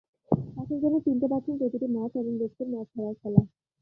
পাঠক যেন চিনতে পারছেন প্রতিটি মাছ এবং দেখছেন মাছ ধরার খেলা।